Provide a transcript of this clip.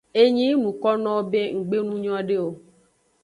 Enyi yi nukonowo be nggbe nu nyode o.